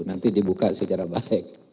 nanti dibuka secara baik